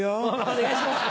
お願いします。